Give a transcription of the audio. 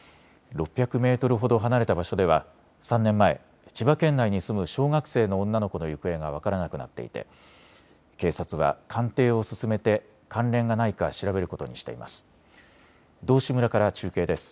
６００メートルほど離れた場所では３年前、千葉県内に住む小学生の女の子の行方が分からなくなっていて警察は鑑定を進めて関連がないか調べることにしています。